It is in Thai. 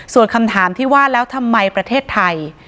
ส่วนคำถามที่ว่าแล้วทำไมประเทศไทย